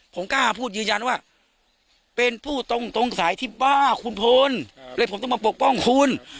ผมกล้าพูดยืนยันว่าเป็นผู้ตรงสายที่บ้าคุณพลเลยผมต้องมาปกป้องคุณ